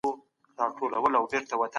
کمپيوټر وايرلس کاروي.